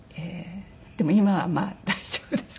でも今はまあ大丈夫ですけど。